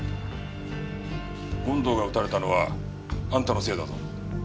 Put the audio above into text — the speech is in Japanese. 権藤が撃たれたのはあんたのせいだぞ。